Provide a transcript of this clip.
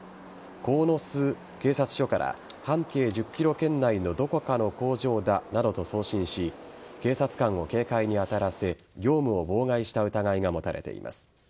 鴻巣警察署から半径１０ｋｍ圏内のどこかの工場だなどと送信し警察官を警戒に当たらせ業務を妨害した疑いが持たれています。